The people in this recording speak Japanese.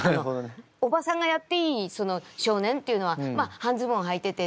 おばさんがやっていい少年っていうのはまあ半ズボンはいててそのまあ